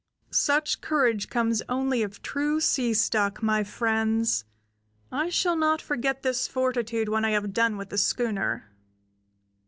"Such courage comes only of true sea stock, my friends! I shall not forget this fortitude when I have done with the schooner."